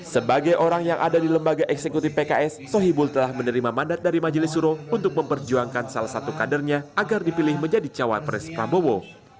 sebagai orang yang ada di lembaga eksekutif pks sohibul telah menerima mandat dari majelis suro untuk memperjuangkan salah satu kadernya agar dipilih menjadi cawapres prabowo